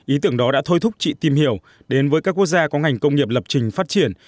ý tưởng đó đã thôi thúc chị tìm hiểu đến với các quốc gia có ngành công nghiệp lập trình phát triển